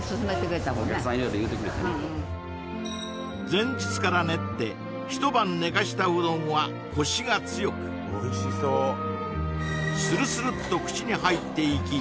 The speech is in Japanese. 前日から練って一晩寝かしたうどんはコシが強くスルスルっと口に入っていき